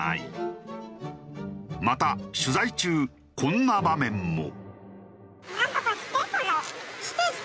また取材中こんな場面も。